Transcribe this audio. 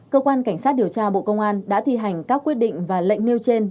cơ quan cảnh sát điều tra bộ công an đã thi hành các quyết định và lệnh nêu trên